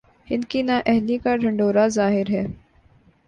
ان کی نااہلی کا ڈھنڈورا ظاہر ہے۔